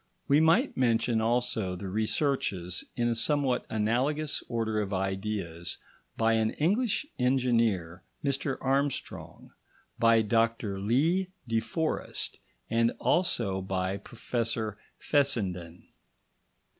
We might mention also the researches, in a somewhat analogous order of ideas, by an English engineer, Mr Armstrong, by Dr Lee de Forest, and also by Professor Fessenden.